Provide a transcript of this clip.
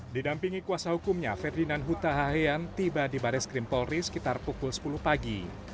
didampingi kuasa hukumnya ferdinand huta hayan tiba di baris krim polri sekitar pukul sepuluh pagi